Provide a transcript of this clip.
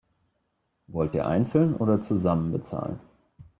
Wollt ihr einzeln oder zusammen bezahlen?